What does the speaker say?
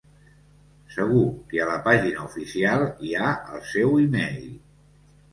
Segur que a la pàgina oficial hi ha el seu e-mail.